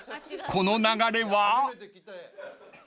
この流れは］